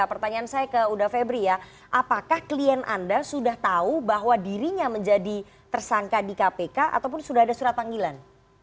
pertanyaan saya ke uda febri ya apakah klien anda sudah tahu bahwa dirinya menjadi tersangka di kpk ataupun sudah ada surat panggilan